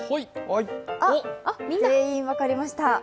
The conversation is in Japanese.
全員、分かりました。